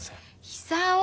久男！